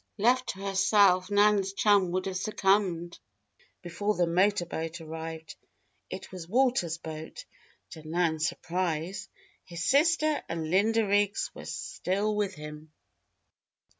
Left to herself, Nan's chum would have succumbed before the motor boat arrived. It was Walter's boat. To Nan's surprise, his sister and Linda Riggs were still with him.